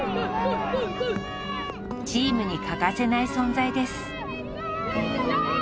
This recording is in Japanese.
チームに欠かせない存在です。